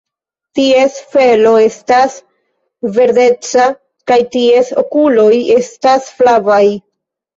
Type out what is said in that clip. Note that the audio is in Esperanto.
Ties felo estas verdeca kaj ties okuloj estas flavaj.